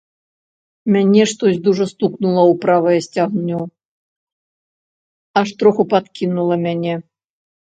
Мяне штось дужа стукнула ў правае сцягно, аж троху падкінула мяне.